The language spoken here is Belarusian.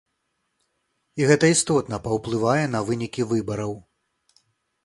І гэта істотна паўплывае на вынікі выбараў.